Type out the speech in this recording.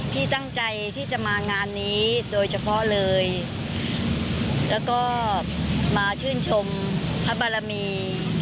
พี่ตั้งใจที่จะมางานนี้โดยเฉพาะเลยแล้วก็มาชื่นชมพระบารมี